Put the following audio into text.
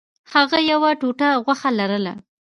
هغه یوه ټوټه غوښه لرله.